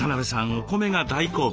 お米が大好物。